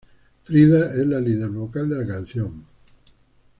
Frida es la líder vocal de la canción.